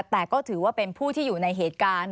แต่ก็ถือว่าเป็นผู้ที่อยู่ในเหตุการณ์